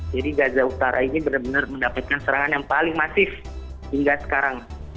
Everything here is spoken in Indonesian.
jadi gaza utara ini benar benar mendapatkan serangan yang paling masif hingga sekarang